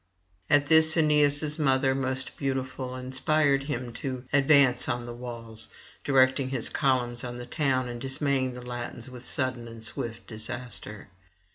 At this Aeneas' mother most beautiful inspired him to advance on the walls, directing his columns on the town and dismaying the Latins with sudden and swift disaster.